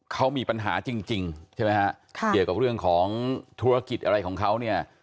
เขามีปัญหาจริงใช่ไหมฮะเกี่ยวกับเรื่องของธุรกิจอะไรของเขาเนี่ย